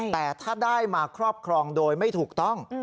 แต่ถ้าได้มาครอบครองโดยไม่ถูกต้อง